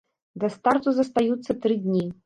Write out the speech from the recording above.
Да старту застаюцца тры дні.